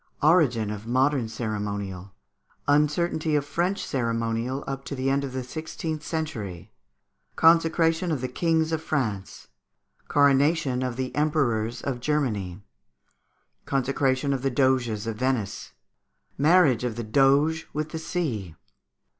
Origin of Modern Ceremonial. Uncertainty of French Ceremonial up to the End of the Sixteenth Century. Consecration of the Kings of France. Coronation of the Emperors of Germany. Consecration of the Doges of Venice. Marriage of the Doge with the Sea.